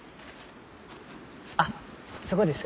あっそこです。